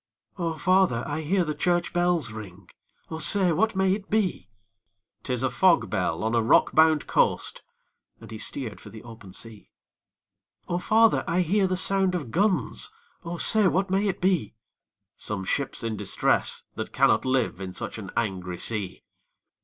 'O father! I hear the church bells ring, O say, what may it be?' ''Tis a fog bell, on a rock bound coast!' And he steer'd for the open sea. 'O father! I hear the sound of guns, O say, what may it be?' 'Some ship in distress that cannot live In such an angry sea!'